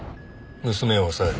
娘を押さえろ。